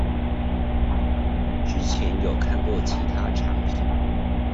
之前有看過其他產品